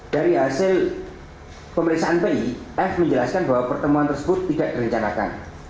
dari hasil pemeriksaan pi f menjelaskan bahwa pertemuan tersebut tidak direncanakan